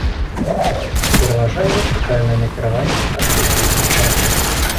Пераважае вертыкальная накіраванасць архітэктурных мас.